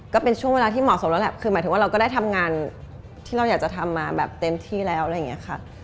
ก็เป็นช่วงเวลาที่เหมาะสมแล้วแหละคือหมายถึงว่าเราก็ได้ทำงานที่เราอยากจะทำมาแบบเต็มที่แล้วอะไรอย่างนี้ค่ะ